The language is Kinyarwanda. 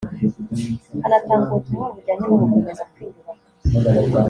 hanatangwa ubutumwa bujyanye no gukomeza kwiyubaka